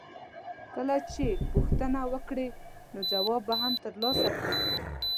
کله چې پوښتنه وکړې نو ځواب به هم ترلاسه کړې.